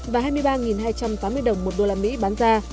và hai mươi ba hai trăm tám mươi đồng một đô la mỹ bán ra